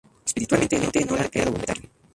Espiritualmente, Nolan era de credo unitario.